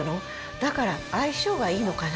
だから相性がいいのかな。